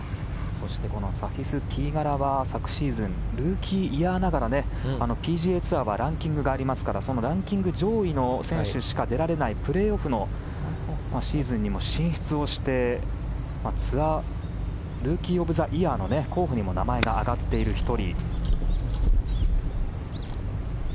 サヒス・ティーガラは昨シーズンルーキーイヤーながらＰＧＡツアーはランキング上位の選手しか出られないプレーオフのシーズンにも進出をしてツアールーキー・オブ・ザ・イヤーの候補にも名前が挙がっている１人。